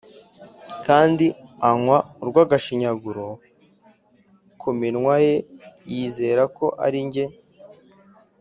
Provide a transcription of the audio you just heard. kandi anywa urw'agashinyaguro ku minwa ye, yizera ko ari njye.